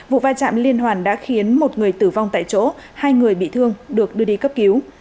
vụ va chạm liên hoàn đã khiến một người tử vong tại chỗ hai người bị thương được đưa đi cấp cứu